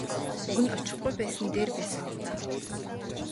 Уг нь очихгүй байсан нь дээр байсан юм даа.